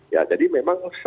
ya jadi memang